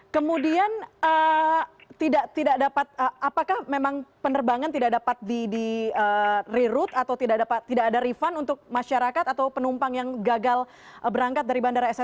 kemudian tidak dapat apakah memang penerbangan tidak dapat di reroute atau tidak ada refund untuk masyarakat atau penumpang yang gagal berangkat dari bandara